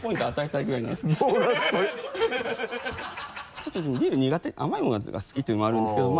ちょっとビール苦手甘い物が好きていうのもあるんですけど。